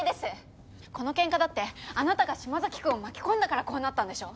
このケンカだってあなたが島崎君を巻き込んだからこうなったんでしょ？